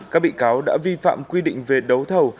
các bị cáo đã vi phạm quy định về đấu thầu